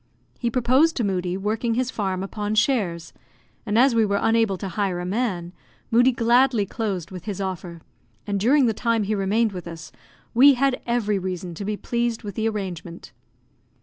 He proposed to Moodie working his farm upon shares; and as we were unable to hire a man, Moodie gladly closed with his offer; and, during the time he remained with us, we had every reason to be pleased with the arrangement.